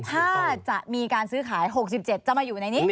ถ้าจะมีการซื้อขาย๖๗จะมาอยู่ในนี้